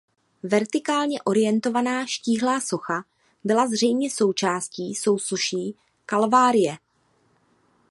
Vertikálně orientovaná štíhlá socha byla zřejmě součástí sousoší Kalvárie.